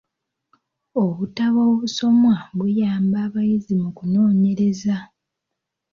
Obutabo obusomwa buyamba abayizi mu kunoonyereza.